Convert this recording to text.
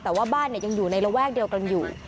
แต่ว่าบ้านยังอยู่ในระแวกเดียวกันอยู่